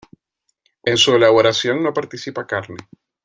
En su elaboración no participa carne.